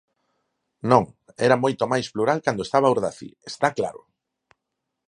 Non, era moito máis plural cando estaba Urdaci, ¡está claro!